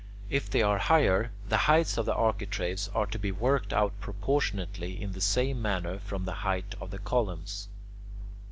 If they are higher, the heights of the architraves are to be worked out proportionately in the same manner from the height of the columns.